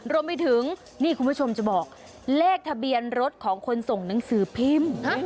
รวมไปถึงนี่คุณผู้ชมจะบอกเลขทะเบียนรถของคนส่งหนังสือพิมพ์